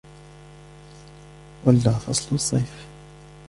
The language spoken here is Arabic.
ولى فصل الصيف.